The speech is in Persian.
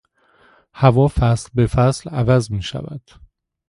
هوا فصل به فصل عوض میشود.